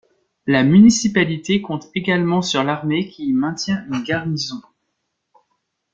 La municipalité compte également sur l'armée qui y maintient une garnison.